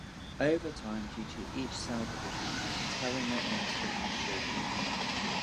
Over time, due to each cell division, the telomere ends become shorter.